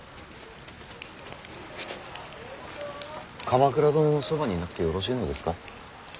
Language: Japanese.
鎌倉殿のそばにいなくてよろしいのですか。